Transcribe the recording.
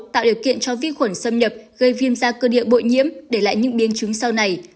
tạo điều kiện cho vi khuẩn xâm nhập gây viêm da cơ địa bội nhiễm để lại những biến chứng sau này